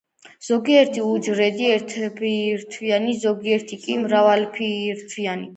ზოგიერთი უჯრედი ერთბირთვიანია, ზოგიერთი კი მრავალბირთვიანი.